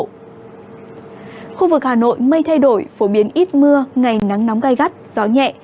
khu vực hà nội mây thay đổi phổ biến ít mưa ngày nắng nóng gai gắt gió nhẹ